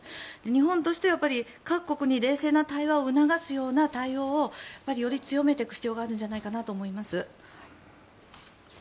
日本としては各国に冷静な対話を促すような対応をより強めていく必要があるんじゃないかなと思います。